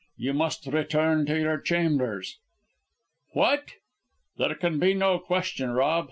You must return to your chambers!" "What!" "There can be no question, Rob.